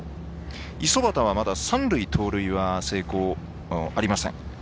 五十幡はまだ三塁盗塁は成功がありません。